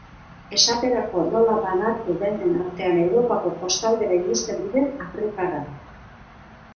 Esaterako nola banatu denen artean europako kostaldera iristen diren afrikarrak.